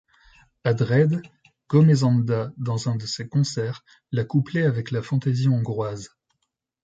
À Dresde, Gómezanda dans un de ses concerts, l'a couplée avec la Fantaisie hongroise.